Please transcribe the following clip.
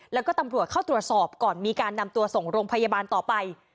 แล้วก็ตำรวจเข้าตรวจสอบก่อนมีการนำตัวส่งโรงพยาบาลต่อไป